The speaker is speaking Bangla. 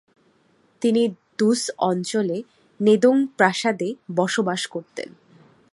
তিনি দ্বুস অঞ্চলে নেদোং প্রাসাদে বসবাস করতেন।